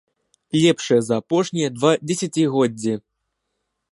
Лепшыя за апошнія два дзесяцігоддзі.